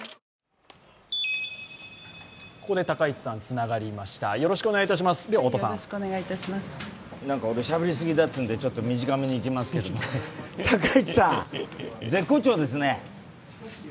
なんか俺、しゃべりすぎだというので、ちょっと短めにいきますけども高市さん、絶好調ですね。